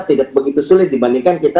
tidak begitu sulit dibandingkan kita